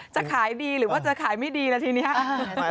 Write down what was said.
จะขายดีหรือว่าจะขายไม่ดีแล้วทีนี้